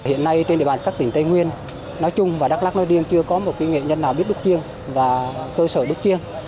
hiện nay trên địa bàn các tỉnh tây nguyên nói chung và đắk lắc nơi điên chưa có một nghệ nhân nào biết đúc chiêng và cơ sở đúc chiêng